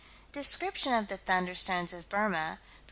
Description of the "thunderstones" of Burma (_Proc.